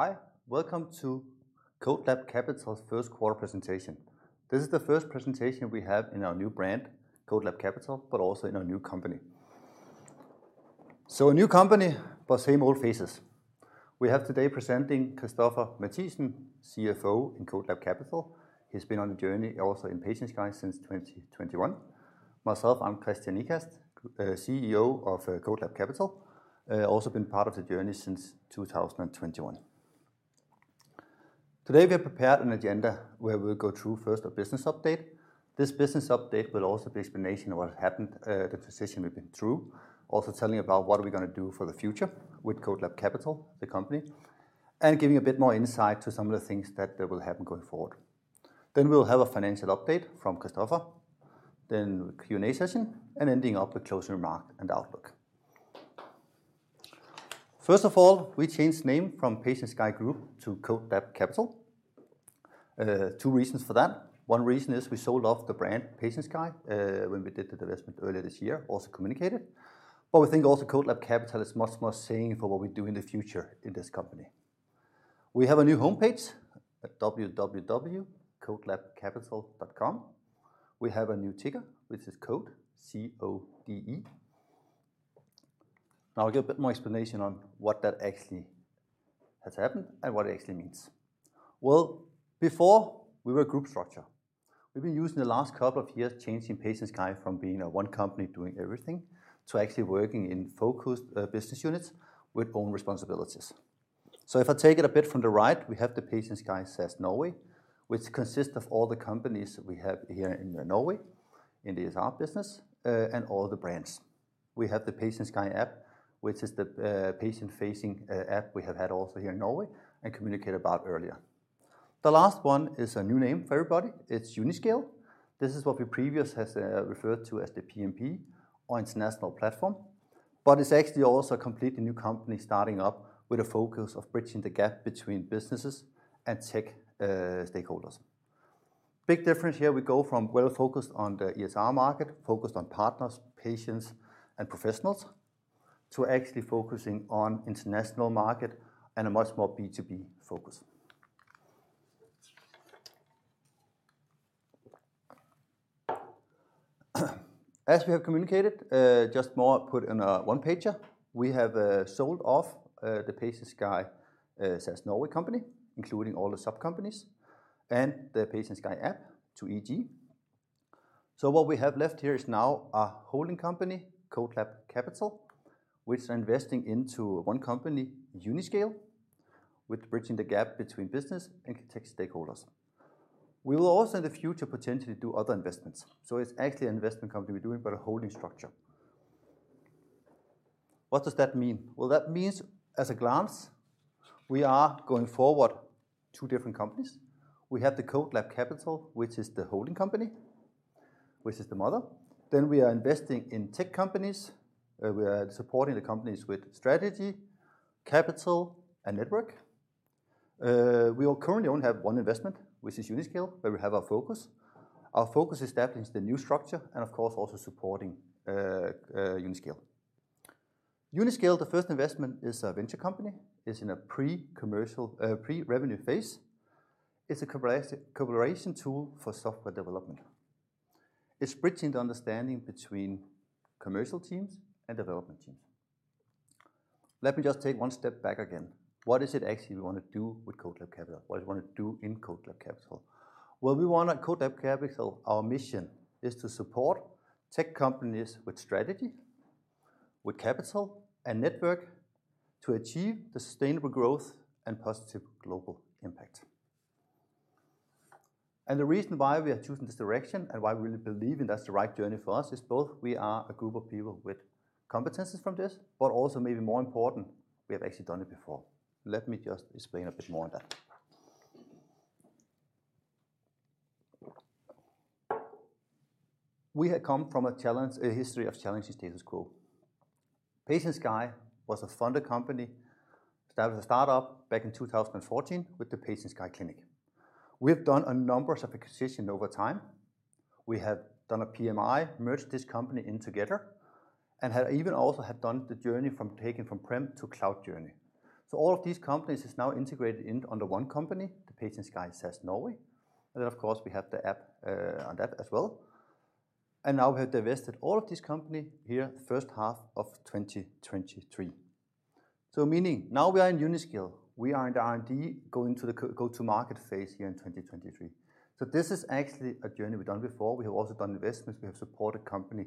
Hi, welcome to CodeLab Capital's first quarter presentation. This is the first presentation we have in our new brand, CodeLab Capital, but also in our new company. A new company, but same old faces. We have today presenting Christoffer Mathiesen, CFO in CodeLab Capital. He's been on the journey also in PatientSky since 2021. Myself, I'm Kristian Ikast, CEO of CodeLab Capital, also been part of the journey since 2021. Today, we have prepared an agenda where we'll go through first a business update. This business update will also be explanation of what happened, the transition we've been through, also telling about what are we gonna do for the future with CodeLab Capital, the company, and giving a bit more insight to some of the things that will happen going forward. We'll have a financial update from Kristoffer, then Q&A session, and ending up with closing remark and outlook. First of all, we changed name from PatientSky Group to CodeLab Capital. 2 reasons for that. One reason is we sold off the brand, PatientSky, when we did the divestment earlier this year, also communicated. We think also CodeLab Capital is much more saying for what we do in the future in this company. We have a new homepage at www.codelabcapital.com. We have a new ticker, which is CODE, C-O-D-E. I'll give a bit more explanation on what that actually has happened and what it actually means. Well, before we were a group structure. We've been using the last couple of years changing PatientSky from being a 1 company doing everything to actually working in focused business units with own responsibilities. If I take it a bit from the right, we have the PatientSky SaaS Norway, which consists of all the companies we have here in Norway, in the ESR business, and all the brands. We have the PatientSky App, which is the patient-facing app we have had also here in Norway and communicated about earlier. The last one is a new name for everybody. It's Uniscale. This is what we previously has referred to as the PMP or international platform, but it's actually also a completely new company starting up with a focus of bridging the gap between businesses and tech stakeholders. Big difference here, we go from well-focused on the ESR market, focused on partners, patients, and professionals, to actually focusing on international market and a much more B2B focus. As we have communicated, just more put in a one-pager, we have sold off the PatientSky SaaS Norway company, including all the sub-companies and the PatientSky App to EG. What we have left here is now a holding company, CodeLab Capital, which are investing into one company, Uniscale, with bridging the gap between business and tech stakeholders. We will also, in the future, potentially do other investments. It's actually an investment company we're doing, but a holding structure. What does that mean? Well, that means, as a glance, we are going forward two different companies. We have the CodeLab Capital, which is the holding company, which is the mother. We are investing in tech companies. We are supporting the companies with strategy, capital, and network. We currently only have one investment, which is Uniscale, where we have our focus. Our focus is establishing the new structure and, of course, also supporting Uniscale. Uniscale, the first investment, is a venture company, is in a pre-commercial, pre-revenue phase. It's a collaboration tool for software development. It's bridging the understanding between commercial teams and development teams. Let me just take 1 step back again. What is it actually we want to do with CodeLab Capital? What do you want to do in CodeLab Capital? We want at CodeLab Capital, our mission is to support tech companies with strategy, with capital and network to achieve the sustainable growth and positive global impact. The reason why we are choosing this direction and why we believe, and that's the right journey for us, is both we are a group of people with competencies from this, but also maybe more important, we have actually done it before. Let me just explain a bit more on that. We had come from a challenge, a history of challenging status quo. PatientSky was a funded company, started a startup back in 2014 with the PatientSky Clinic. We have done a numbers of acquisition over time. We have done a PMI, merged this company in together, even also done the journey from taking from prem to cloud journey. All of these companies is now integrated in under one company, the PatientSky SaaS Norway. Of course, we have the app on that as well. Now we have divested all of this company here, first half of 2023. Meaning now we are in Uniscale, we are in R&D, going to the go-to-market phase here in 2023. This is actually a journey we've done before. We have also done investments. We have supported company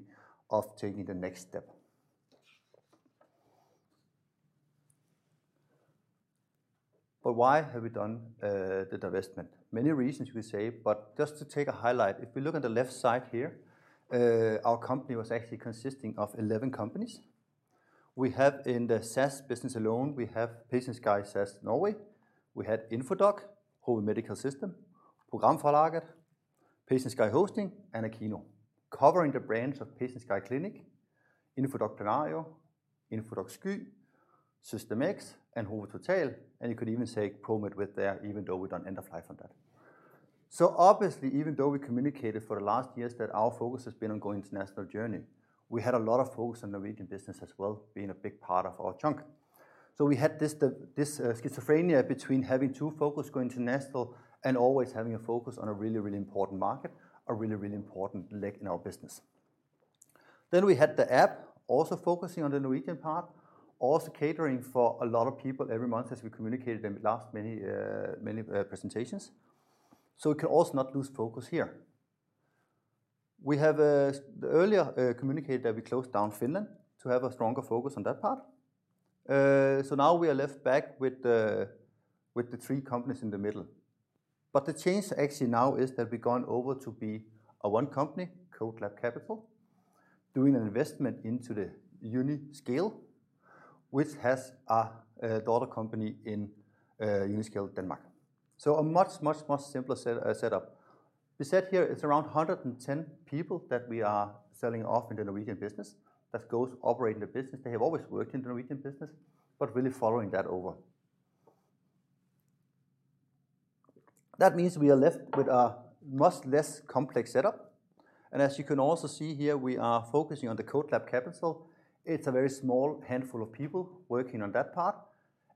of taking the next step. Why have we done the divestment? Many reasons, we say, but just to take a highlight, if we look on the left side here, our company was actually consisting of 11 companies. We have in the SaaS business alone, we have PatientSky SaaS Norway, we had InfoDoc, Hove Medical Systems, Programforlaget, PatientSky Hosting, and Akino, covering the brands of PatientSky Clinic, InfoDoc Scenario, Infodoc Sky, System X, and Hove Total, and you could even say Promed with there, even though we done end of life on that. Obviously, even though we communicated for the last years that our focus has been on going international journey, we had a lot of focus on Norwegian business as well, being a big part of our chunk. We had this schizophrenia between having two focus, going international, and always having a focus on a really, really important market, a really, really important leg in our business. We had the app also focusing on the Norwegian part, also catering for a lot of people every month, as we communicated in the last many presentations, so we can also not lose focus here. We have earlier communicated that we closed down Finland to have a stronger focus on that part. Now we are left back with the three companies in the middle. The change actually now is that we've gone over to be a one company, CodeLab Capital, doing an investment into the Uniscale, which has a daughter company in Uniscale Denmark. A much, much, much simpler setup. We said here it's around 110 people that we are selling off in the Norwegian business. That goes operating the business. They have always worked in the Norwegian business, really following that over. That means we are left with a much less complex setup, as you can also see here, we are focusing on the CodeLab Capital. It's a very small handful of people working on that part,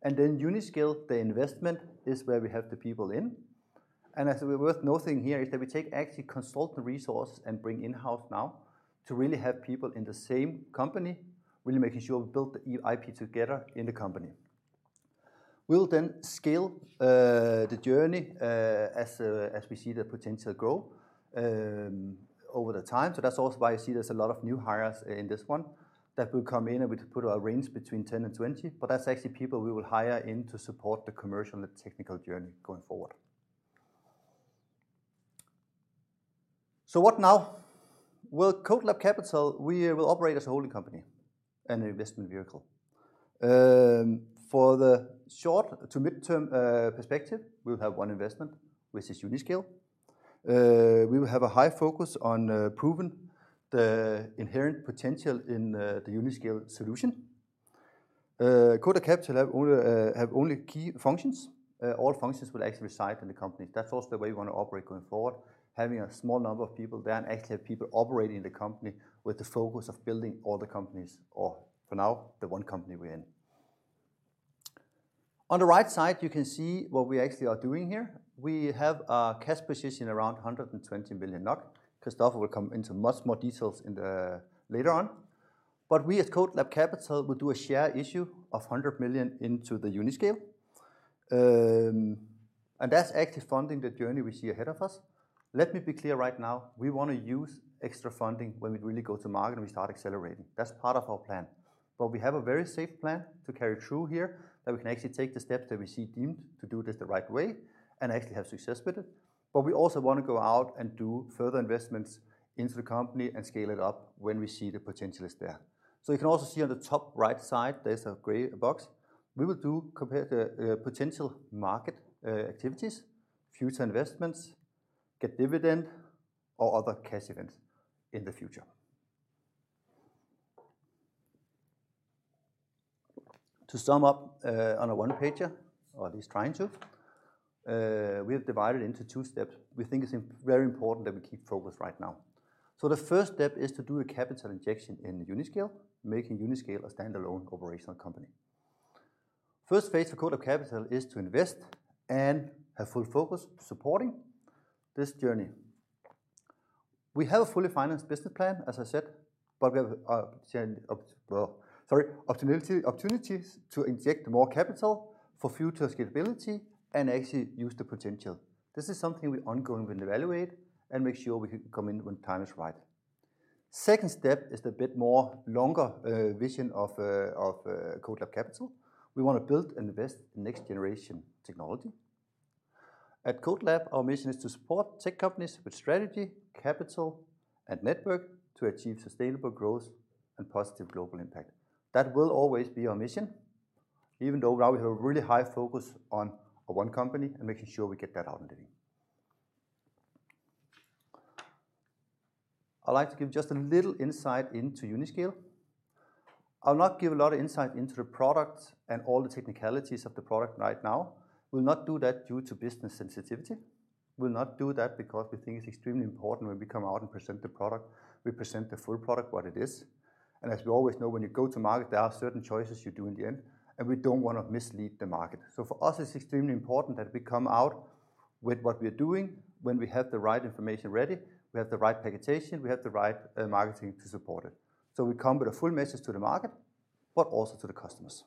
then Uniscale, the investment, is where we have the people in. As we're worth noting here, is that we take actually consultant resource and bring in-house now to really have people in the same company, really making sure we build the IP together in the company. We'll then scale the journey as we see the potential grow over the time. That's also why you see there's a lot of new hires in this one that will come in, and we put a range between 10 and 20, but that's actually people we will hire in to support the commercial and the technical journey going forward. What now? Well, CodeLab Capital, we will operate as a holding company and investment vehicle. For the short to mid-term perspective, we'll have one investment, which is Uniscale. We will have a high focus on proving the inherent potential in the Uniscale solution. CodeLab Capital have only key functions. All functions will actually reside in the companies. That's also the way we wanna operate going forward, having a small number of people there and actually have people operating the company with the focus of building all the companies, or for now, the one company we're in. On the right side, you can see what we actually are doing here. We have a cash position around 120 million NOK. Christoffer will come into much more details later on. We, as CodeLab Capital, will do a share issue of 100 million into the Uniscale. That's actually funding the journey we see ahead of us. Let me be clear right now, we wanna use extra funding when we really go to market, and we start accelerating. That's part of our plan. We have a very safe plan to carry through here, that we can actually take the steps that we see deemed to do this the right way and actually have success with it. We also want to go out and do further investments into the company and scale it up when we see the potential is there. You can also see on the top-right side, there's a gray box. We will do compare the potential market activities, future investments, get dividend or other cash events in the future. To sum up, on a one pager, or at least trying to, we have divided into two steps. We think it's very important that we keep focus right now. The first step is to do a capital injection in Uniscale, making Uniscale a standalone operational company. First phase for CodeLab Capital is to invest and have full focus supporting this journey. We have a fully financed business plan, as I said, but we have opportunities to inject more capital for future scalability and actually use the potential. This is something we ongoing will evaluate and make sure we can come in when time is right. Second step is the bit more longer vision of CodeLab Capital. We want to build and invest in next generation technology. At CodeLab, our mission is to support tech companies with strategy, capital, and network to achieve sustainable growth and positive global impact. That will always be our mission, even though now we have a really high focus on one company and making sure we get that out and living. I'd like to give just a little insight into Uniscale. I'll not give a lot of insight into the product and all the technicalities of the product right now. We'll not do that due to business sensitivity. We'll not do that because we think it's extremely important when we come out and present the product, we present the full product what it is. As we always know, when you go to market, there are certain choices you do in the end, and we don't wanna mislead the market. For us, it's extremely important that we come out with what we are doing, when we have the right information ready, we have the right packaging, we have the right marketing to support it. We come with a full message to the market, but also to the customers.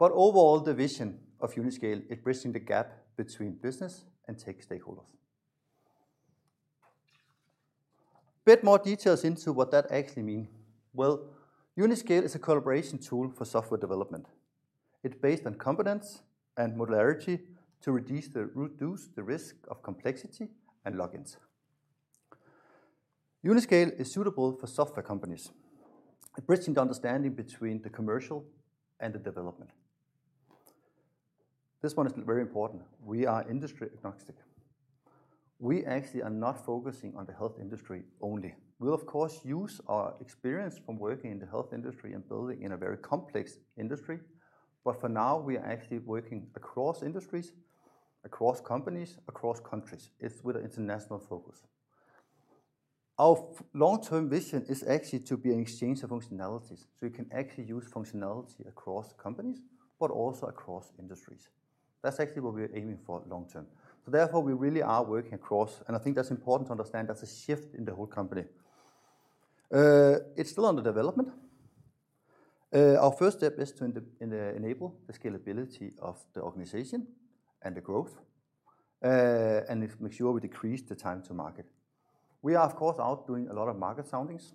Overall, the vision of Uniscale is bridging the gap between business and tech stakeholders. Bit more details into what that actually mean. Well, Uniscale is a collaboration tool for software development. It's based on components and modularity to reduce the risk of complexity and logins. Uniscale is suitable for software companies. It bridging the understanding between the commercial and the development. This one is very important. We are industry agnostic. We actually are not focusing on the health industry only. We'll of course use our experience from working in the health industry and building in a very complex industry, but for now, we are actually working across industries, across companies, across countries. It's with an international focus. Our long-term vision is actually to be an exchange of functionalities, so we can actually use functionality across companies, but also across industries. That's actually what we're aiming for long term. We really are working across, and I think that's important to understand that's a shift in the whole company. It's still under development. Our first step is to enable the scalability of the organization and the growth, and if make sure we decrease the time to market. We are, of course, out doing a lot of market soundings.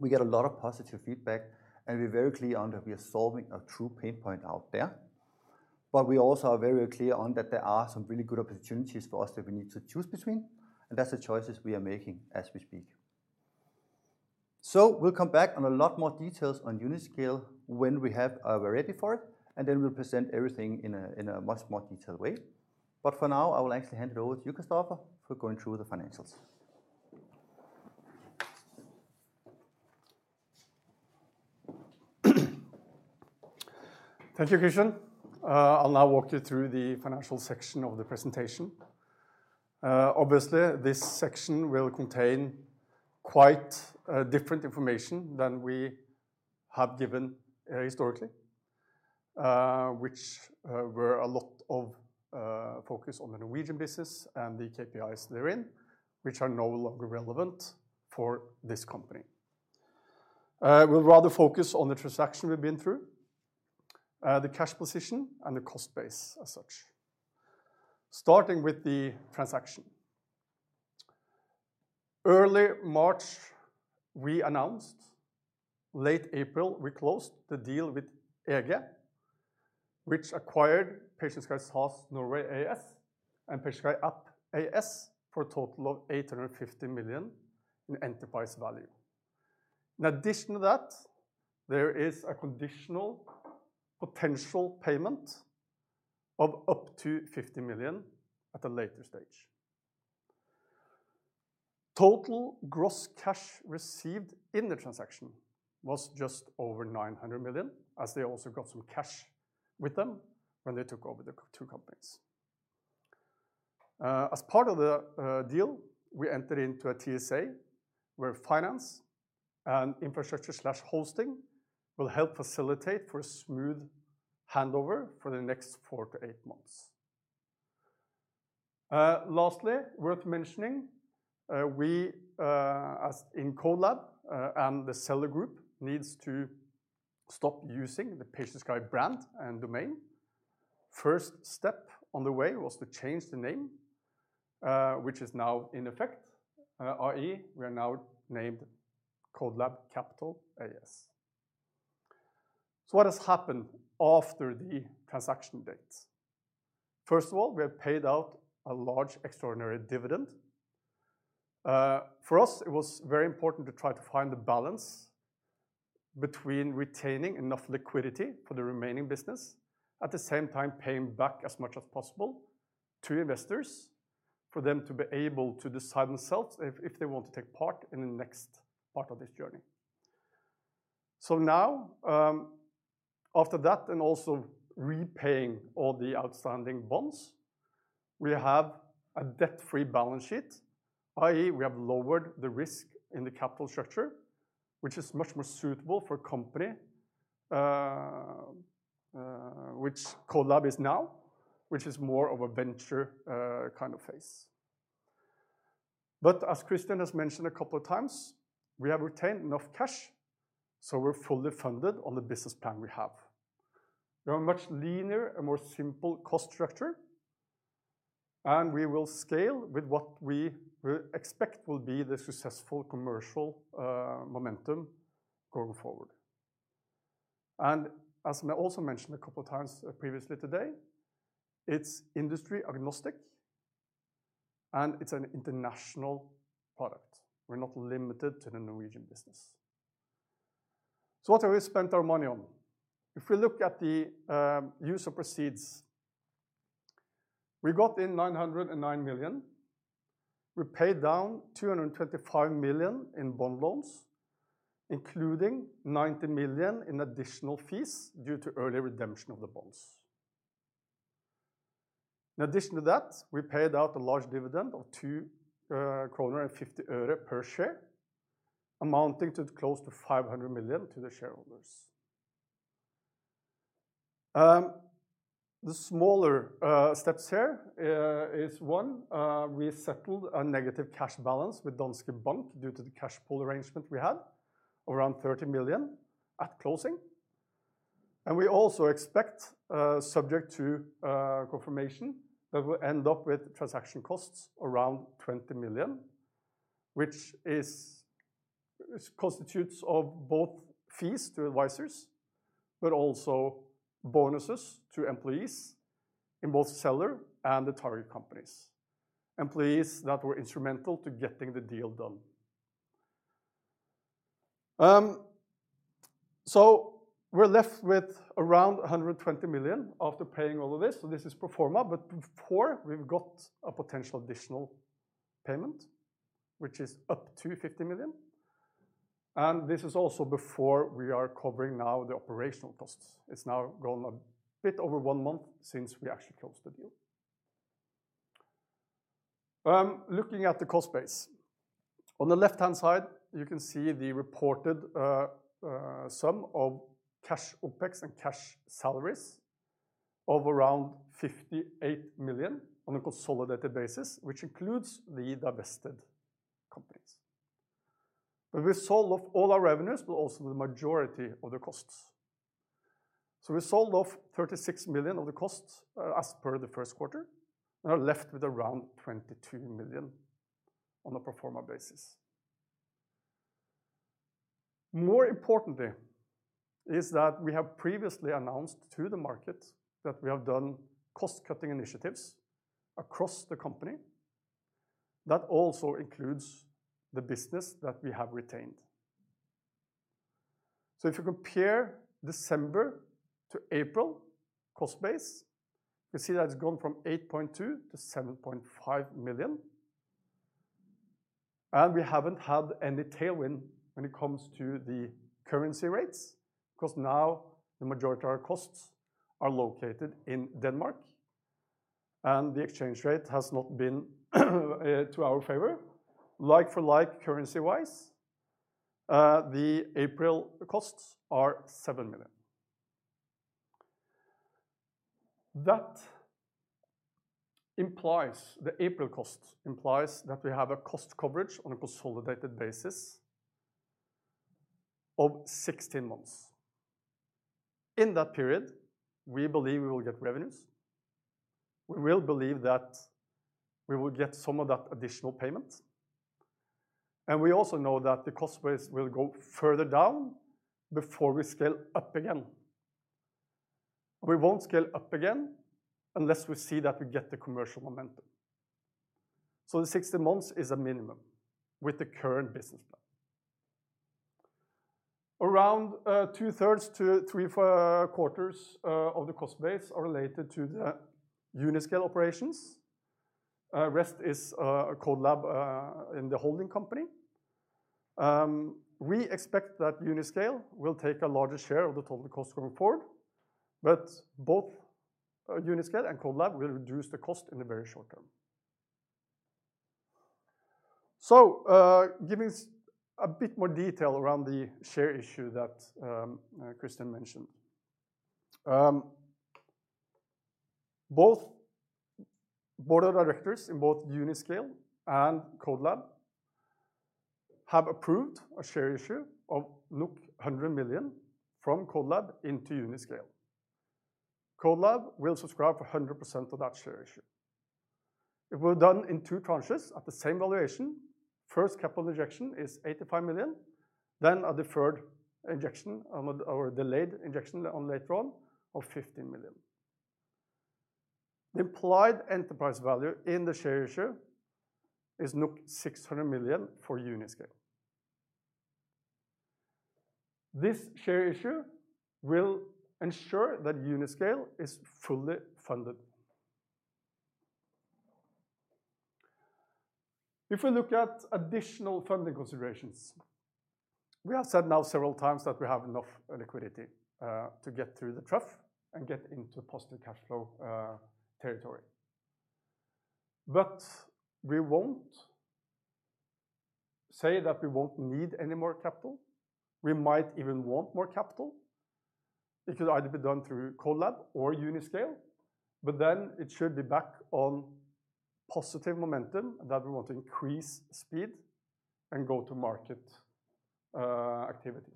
We get a lot of positive feedback, and we're very clear on that we are solving a true pain point out there. We also are very clear on that there are some really good opportunities for us that we need to choose between, and that's the choices we are making as we speak. We'll come back on a lot more details on Uniscale when we have, we're ready for it, and then we'll present everything in a much more detailed way. For now, I will actually hand it over to you, Christoffer, for going through the financials. Thank you, Kristian. I'll now walk you through the financial section of the presentation. Obviously, this section will contain quite different information than we have given historically, which were a lot of focus on the Norwegian business and the KPIs therein, which are no longer relevant for this company. We'll rather focus on the transaction we've been through, the cash position, and the cost base as such. Starting with the transaction. Early March, we announced, late April, we closed the deal with EG, which acquired PatientSky SaaS Norway AS and PatientSky App AS for a total of 850 million in enterprise value. In addition to that, there is a conditional potential payment of up to 50 million at a later stage. Total gross cash received in the transaction was just over 900 million, as they also got some cash with them when they took over the two companies. As part of the deal, we entered into a TSA, where finance and infrastructure slash hosting will help facilitate for a smooth handover for the next four to eight months. Lastly, worth mentioning, we, as in CodeLab, and the seller group needs to stop using the PatientSky brand and domain. First step on the way was to change the name, which is now in effect, i.e., we are now named CodeLab Capital AS. What has happened after the transaction date? First of all, we have paid out a large extraordinary dividend. For us, it was very important to try to find the balance between retaining enough liquidity for the remaining business, at the same time, paying back as much as possible to investors, for them to be able to decide themselves if they want to take part in the next part of this journey. After that, and also repaying all the outstanding bonds, we have a debt-free balance sheet, i.e., we have lowered the risk in the capital structure, which is much more suitable for a company, which CodeLab Capital is now, which is more of a venture kind of phase. As Kristian has mentioned a couple of times, we have retained enough cash, so we're fully funded on the business plan we have. We have a much leaner and more simple cost structure. We will scale with what we expect will be the successful commercial momentum going forward. As I also mentioned a couple of times previously today, it's industry agnostic, and it's an international product. We're not limited to the Norwegian business. What have we spent our money on? If we look at the use of proceeds, we got in 909 million. We paid down 225 million in bond loans, including 90 million in additional fees due to early redemption of the bonds. In addition to that, we paid out a large dividend of 2.50 kroner per share, amounting to close to 500 million to the shareholders. The smaller steps here is one, we settled a negative cash balance with Danske Bank due to the cash pool arrangement we had, around 30 million at closing. We also expect, subject to confirmation, that we'll end up with transaction costs around 20 million, which constitutes of both fees to advisors, but also bonuses to employees in both seller and the target companies, employees that were instrumental to getting the deal done. We're left with around 120 million after paying all of this, so this is pro forma, but before, we've got a potential additional payment, which is up to 50 million. This is also before we are covering now the operational costs. It's now gone a bit over one month since we actually closed the deal. Looking at the cost base. On the left-hand side, you can see the reported sum of cash OpEx and cash salaries of around 58 million on a consolidated basis, which includes the divested companies. We sold off all our revenues, but also the majority of the costs. We sold off 36 million of the costs as per the first quarter, and are left with around 22 million on a pro forma basis. More importantly, is that we have previously announced to the market that we have done cost-cutting initiatives across the company. That also includes the business that we have retained. If you compare December to April cost base, you see that it's gone from 8.2 million to 7.5 million, and we haven't had any tailwind when it comes to the currency rates, 'cause now the majority of our costs are located in Denmark, and the exchange rate has not been to our favor. Like for like currency-wise, the April costs are 7 million. That implies the April cost implies that we have a cost coverage on a consolidated basis of 16 months. In that period, we believe we will get revenues. We will believe that we will get some of that additional payment, and we also know that the cost base will go further down before we scale up again. We won't scale up again unless we see that we get the commercial momentum. The 16 months is a minimum with the current business plan. Around two-thirds to three-four quarters of the cost base are related to the Uniscale operations. Rest is CodeLab in the holding company. We expect that Uniscale will take a larger share of the total cost going forward, but both Uniscale and CodeLab will reduce the cost in the very short term. Giving a bit more detail around the share issue that Kristian mentioned. Both board of directors in both Uniscale and CodeLab have approved a share issue of 100 million from CodeLab into Uniscale. CodeLab will subscribe for 100% of that share issue. It will be done in 2 tranches at the same valuation. First capital injection is 85 million, then a deferred injection, or delayed injection on later on of 15 million. The implied enterprise value in the share issue is 600 million for Uniscale. This share issue will ensure that Uniscale is fully funded. If we look at additional funding considerations, we have said now several times that we have enough liquidity to get through the trough and get into positive cash flow territory. We won't say that we won't need any more capital. We might even want more capital. It could either be done through CodeLab or Uniscale, but then it should be back on positive momentum, and that we want to increase speed and go-to-market activities.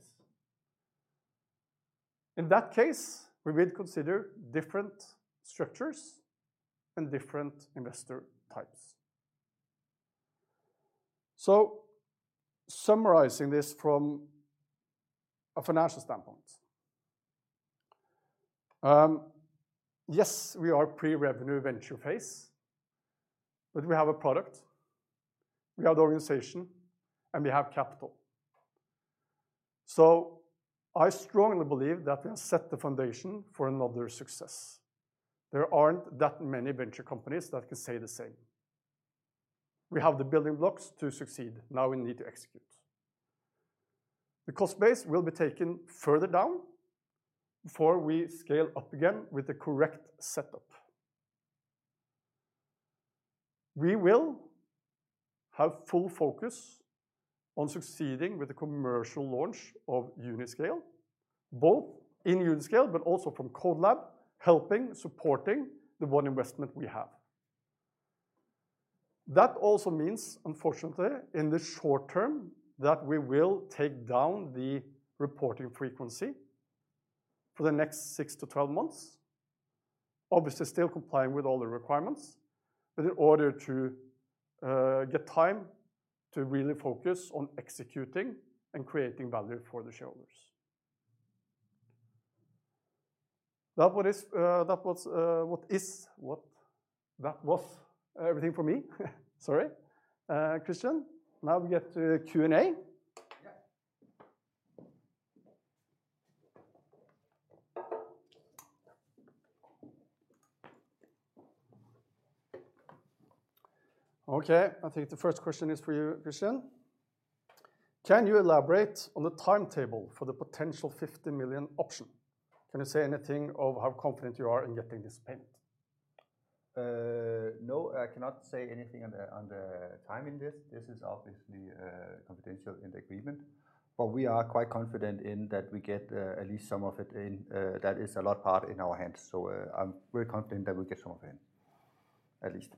In that case, we will consider different structures and different investor types. Summarizing this from a financial standpoint, yes, we are pre-revenue venture phase, but we have a product, we have the organization, and we have capital. I strongly believe that we have set the foundation for another success. There aren't that many venture companies that can say the same. We have the building blocks to succeed, now we need to execute. The cost base will be taken further down before we scale up again with the correct setup. We will have full focus on succeeding with the commercial launch of Uniscale, both in Uniscale, but also from CodeLab, helping, supporting the one investment we have. That also means, unfortunately, in the short term, that we will take down the reporting frequency for the next 6-12 months, obviously still complying with all the requirements, but in order to get time to really focus on executing and creating value for the shareholders. That was everything for me. Sorry. Kristian, now we get to the Q&A. Yeah. Okay, I think the first question is for you, Kristian. Can you elaborate on the timetable for the potential 50 million option? Can you say anything of how confident you are in getting this paid? No, I cannot say anything on the timing this. This is obviously confidential in the agreement, but we are quite confident in that we get at least some of it in that is a lot part in our hands. I'm very confident that we get some of it, at least.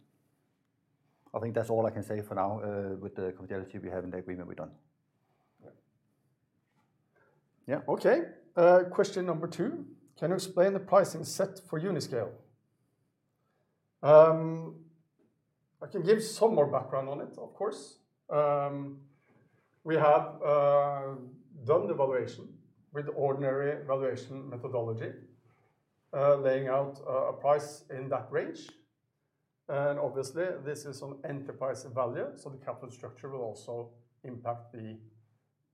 I think that's all I can say for now, with the confidentiality we have in the agreement we done. Right. Yeah. Okay, question number 2: Can you explain the pricing set for Uniscale? I can give some more background on it, of course. We have done the valuation with ordinary valuation methodology, laying out a price in that range, and obviously, this is on enterprise value, so the capital structure will also impact the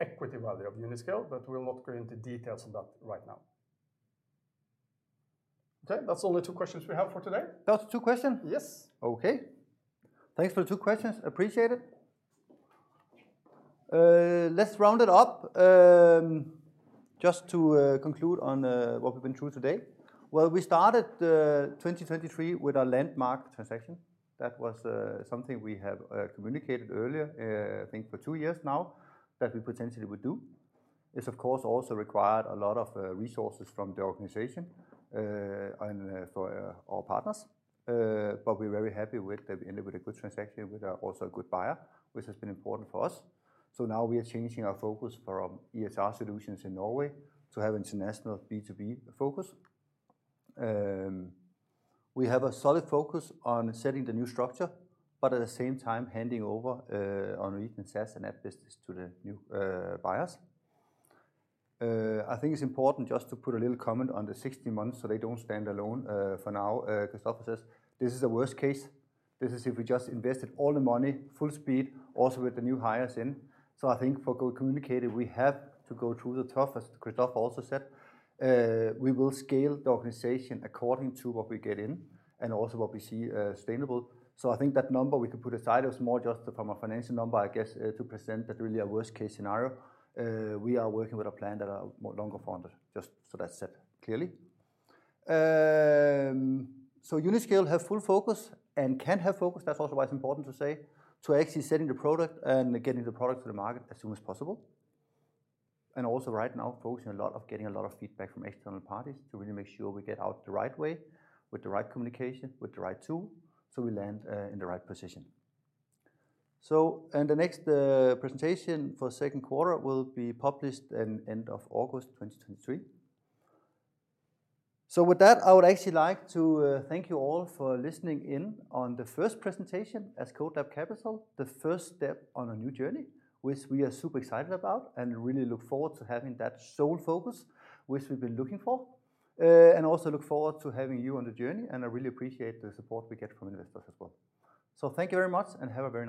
equity value of Uniscale, but we'll not go into details on that right now. Okay, that's all the 2 questions we have for today. That's the two question? Yes. Okay. Thanks for the two questions. Appreciate it. Let's round it up, just to conclude on what we've been through today. Well, we started 2023 with a landmark transaction. That was something we have communicated earlier, I think for two years now, that we potentially would do. It's, of course, also required a lot of resources from the organization, and for our partners. We're very happy with that we ended with a good transaction, with a also a good buyer, which has been important for us. Now we are changing our focus from ESR solutions in Norway to have international B2B focus. We have a solid focus on setting the new structure, but at the same time handing over on region SaaS and App business to the new buyers. I think it's important just to put a little comment on the 60 months, so they don't stand alone, for now, Christoffer says, this is the worst case. This is if we just invested all the money, full speed, also with the new hires in. I think for good communicated, we have to go through the toughest. Christoffer also said, we will scale the organization according to what we get in and also what we see, sustainable. I think that number we could put aside is more just from a financial number, I guess, to present that really a worst-case scenario. We are working with a plan that are longer founded, just so that's set clearly. Uniscale have full focus and can have focus, that's also why it's important to say, to actually setting the product and getting the product to the market as soon as possible. Also right now, focusing a lot of getting a lot of feedback from external parties to really make sure we get out the right way, with the right communication, with the right tool, so we land in the right position. The next presentation for second quarter will be published in end of August 2023. With that, I would actually like to thank you all for listening in on the first presentation as CodeLab Capital, the first step on a new journey, which we are super excited about and really look forward to having that sole focus, which we've been looking for. Also look forward to having you on the journey, and I really appreciate the support we get from investors as well. Thank you very much, and have a very nice day!